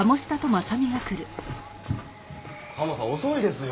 カモさん遅いですよ。